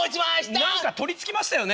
何か取りつきましたよね。